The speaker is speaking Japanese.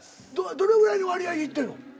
どれぐらいの割合で行ってるの？